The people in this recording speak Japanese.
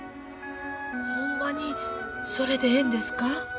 ほんまにそれでええんですか？